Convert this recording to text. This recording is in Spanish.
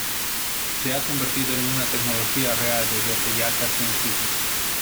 Se ha convertido en una tecnología real desde hace ya casi un siglo.